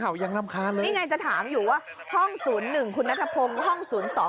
แค่ดูมาไม่กี่ตัวเนี้ย